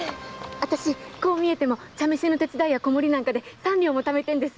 私こう見えても茶店の手伝いや子守りで三両も貯めてるんです。